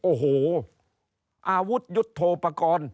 โอ้โหอาวุธยุทธโทปกรณ์